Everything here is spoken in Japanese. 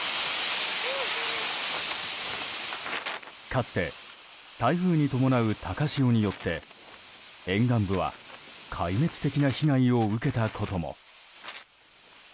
かつて、台風に伴う高潮によって沿岸部は壊滅的な被害を受けたことも。